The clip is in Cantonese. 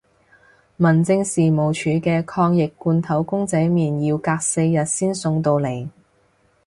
民政事務署啲抗疫罐頭公仔麵要隔四日先送到嚟